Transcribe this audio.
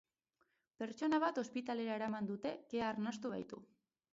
Pertsona bat ospitalera eraman dute kea arnastu baitu.